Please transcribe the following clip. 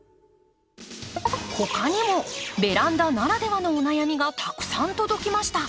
他にもベランダならではのお悩みがたくさん届きました。